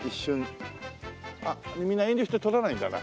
あっみんな遠慮して通らないんだな。